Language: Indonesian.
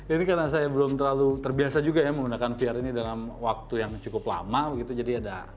ini karena saya belum terlalu terbiasa juga ya menggunakan vr ini dalam waktu yang cukup lama begitu jadi ada